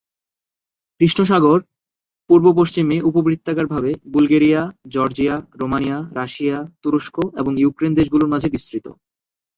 কৃষ্ণ সাগর পূর্ব-পশ্চিমে উপবৃত্তাকার ভাবে বুলগেরিয়া, জর্জিয়া, রোমানিয়া, রাশিয়া, তুরস্ক, এবং ইউক্রেন দেশগুলোর মাঝে বিস্তৃত।